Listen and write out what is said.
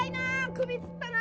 首つったな！